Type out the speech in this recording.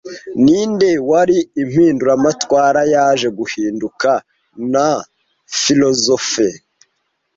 Ninde wari impinduramatwara yaje guhinduka na philosophe